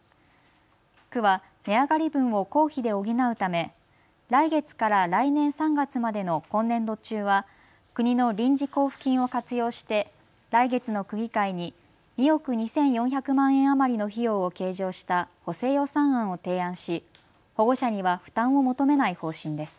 区は値上がり分を公費で補うため来月から来年３月までの今年度中は国の臨時交付金を活用して来月の区議会に２億２４００万円余りの費用を計上した補正予算案を提案し保護者には負担を求めない方針です。